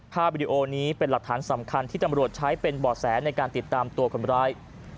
วิดีโอนี้เป็นหลักฐานสำคัญที่ตำรวจใช้เป็นบ่อแสในการติดตามตัวคนร้าย